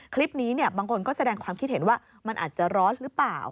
คลิปนี้บางคนก็แสดงความคิดเห็นว่ามันอาจจะร้อนหรือเปล่า